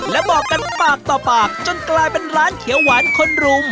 และบอกกันปากต่อปากจนกลายเป็นร้านเขียวหวานคนรุม